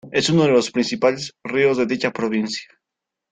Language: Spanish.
Es uno de los principales ríos de dicha provincia.